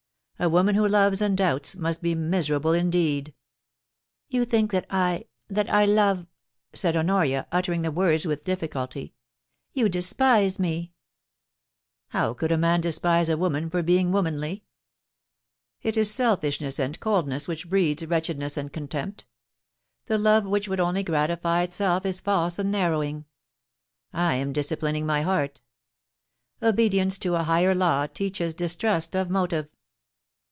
A woman who loves and doubts must be miserable indeed.' * You think that I — that I love,* said Honoria, uttering the words with difficulty. * You despise me !How could a man despise a woman for being womanly ? It is selfishness and coldness which breeds wretchedness and contempt The love which would only gratify itself is false and narrowing. ... I am disciplining my heart. Obedience to a higher law teaches distrust of motive.